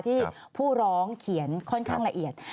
ที่ผู้ร้องเขียนค่อนข้างละเอียด